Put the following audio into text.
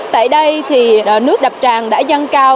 tại đây thì nước đập tràn đã dăng cao